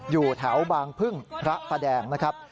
อยู่แถวบางพึ่งพระประแดงนะครับ